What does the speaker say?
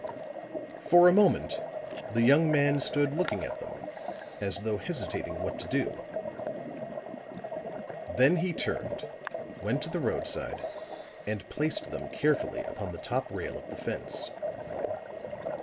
For a moment the young man stood looking at them as though hesitating what to do; then he turned, went to the roadside and placed them carefully upon the top rail of the fence.